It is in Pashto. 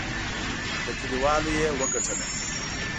له کلیوالو یې وګټله.